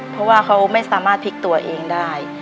เพราะว่าเขาไม่สามารถพลิกตัวเองได้